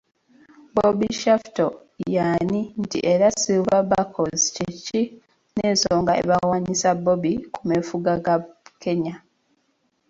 Bobby Shaftoe' y'ani nti era ‘Silver buckles’ kye ki, n’ensonga ebawaanyisa 'Bobby' ku meefuga ga Kenya.